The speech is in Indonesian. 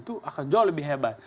itu akan jauh lebih hebat